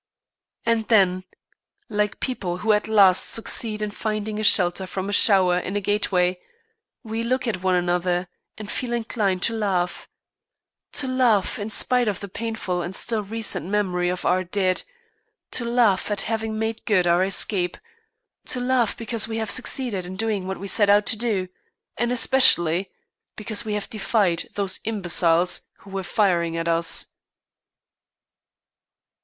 And then, like people who at last succeed in finding a shelter from a shower in a gateway, we look at one another and feel inclined to laugh to laugh in spite of the painful and still recent memory of our dead, to laugh at having made good our escape, to laugh because we have succeeded in doing what we set out to do, and especially because we have defied those imbeciles who were firing at us.